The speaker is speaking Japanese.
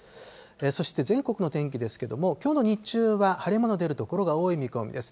そして全国の天気ですけれども、きょうの日中は晴れ間の出る所が多い見込みです。